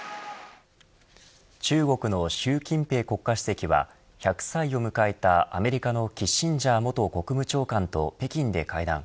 中国の習近平国家主席は１００歳を迎えたアメリカのキッシンジャー元国務長官と北京で会談。